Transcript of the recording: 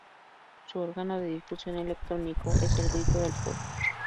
Su órgano de difusión electrónico es "El Grito del Pueblo".